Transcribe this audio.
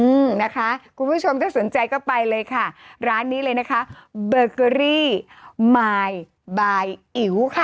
อืมนะคะคุณผู้ชมถ้าสนใจก็ไปเลยค่ะร้านนี้เลยนะคะเบอร์เกอรี่มายบายอิ๋วค่ะ